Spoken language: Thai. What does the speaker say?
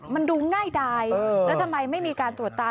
มันดูง่ายดายแล้วทำไมไม่มีการตรวจตา